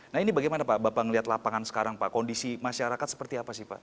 nah ini bagaimana pak bapak melihat lapangan sekarang pak kondisi masyarakat seperti apa sih pak